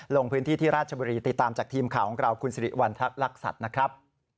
ลงพื้นที่ที่ราชบุรีติดตามจากทีมข่าวของเราคุณสิริวัณฑักลักษัตริย์นะครับ